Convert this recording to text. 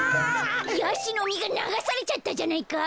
やしのみがながされちゃったじゃないか！